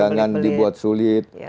jangan dibuat sulit